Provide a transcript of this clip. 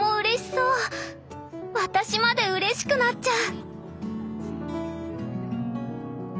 私までうれしくなっちゃう！